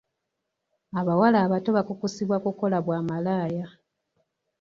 Abawala abato bakukusibwa kukola bwa malaaya.